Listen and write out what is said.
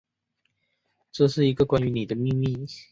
这是一个关于妳的秘密